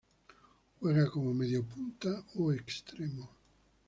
Juega como mediapunta o extremo.